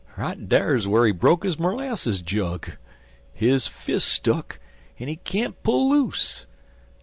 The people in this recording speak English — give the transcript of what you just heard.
Right dar's whar he broke his merlasses jug. His fis' stuck, en he can't pull loose.